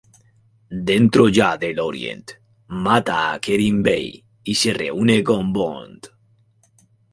Dentro ya del "Orient", mata a Kerim Bey y se reúne con Bond.